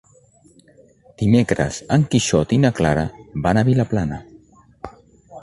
Dimecres en Quixot i na Clara van a Vilaplana.